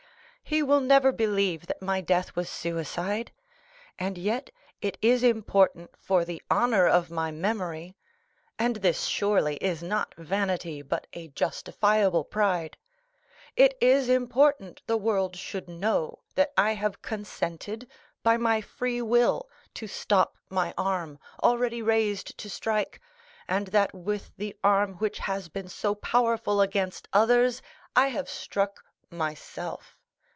He will never believe that my death was suicide; and yet it is important for the honor of my memory,—and this surely is not vanity, but a justifiable pride,—it is important the world should know that I have consented, by my free will, to stop my arm, already raised to strike, and that with the arm which has been so powerful against others I have struck myself.